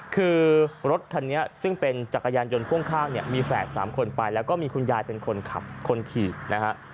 คือรถคันนี้ซึ่งเป็นจักรยานยนต์พ่วงข้างเนี่ยมีแฝด๓คนไปแล้วก็มีคุณยายเป็นคนขับคนขี่นะฮะ